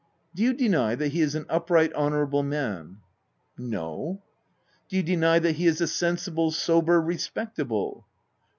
Do you deny that he is an upright, hon ourable man ?"" No." " Do you deny that he is a sensible, sober, respectable